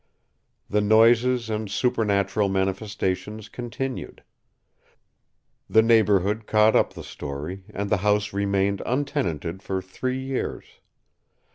The noises and supernatural manifestations continued. The neighborhood caught up the story, and the house remained untenanted for three years.